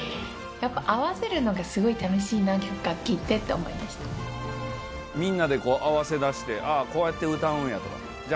やっぱ合わせるのがすごい楽しいなって、みんなで合わせだして、ああ、こうやって歌うんやとか、じゃあ、